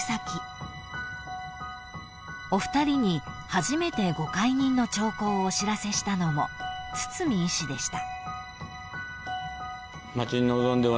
［お二人に初めてご懐妊の兆候をお知らせしたのも堤医師でした］